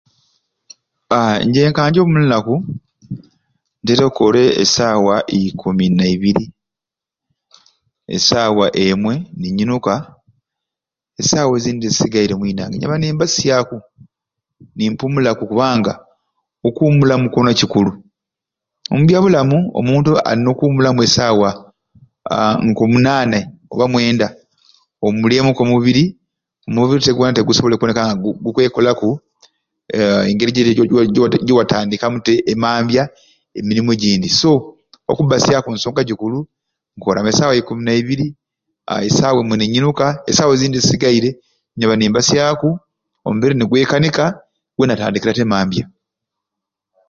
Aa nje nka nje omu lunaku ntera okkoora e saawa ikumi naibiri,e saawa emwei ni nyinuka esaawa ezindi ezisigaire mwinange nyaba ni mbasyaku ni mpumulaku kubanga okuumulamu kyoona kikulu. Omu byabulamu omuntu alina okuumulamu esaawa aa ko munanai oba mwenda owummulyeku omubiri omubiri te gwona gusibole okubona nga gukwekolaku aa engeri giwa gi giwatandikamu te e mambya n'emirimu egindi so okubbasya ku nsonga gikulu, nyaba saawa ikumi naibiri, be saawa emwei ninyinuka esaawa ezindi ezisigaire nyaba ni mbasyaku omubiri ni gwekanika we natandikira te emambya.